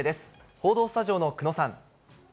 報道スタジオの久野さん。